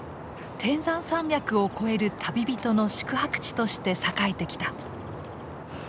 天山山脈を越える旅人の宿泊地として栄えてきた。